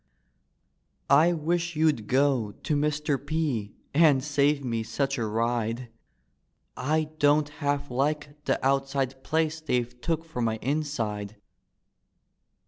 " I wish you'd go to Mr. P., And save me such a ride ; I don't half like the outside place They've took for my inside.